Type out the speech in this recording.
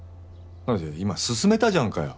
今勧めたじゃんかよ。